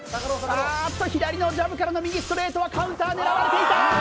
あーっと左のジャブからの右ストレートはカウンター狙われていた！